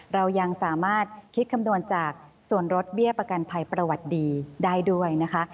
เรายังสามารถคิดคำนวณจากส่วนลดเบี้ยประกันภัยประวัติดีได้ด้วยนะคะ